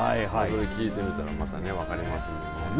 聞いてみたらまた分かりますもんね。